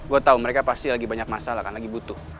gue tau mereka pasti lagi banyak masalah karena lagi butuh